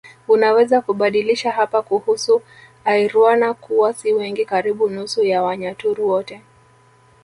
Unaweza kubadilisha hapa kuhusu Airwana kuwa si wengi karibu nusu ya Wanyaturu wote